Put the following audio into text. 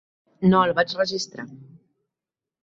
No el vaig registrar.